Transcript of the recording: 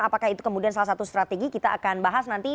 apakah itu kemudian salah satu strategi kita akan bahas nanti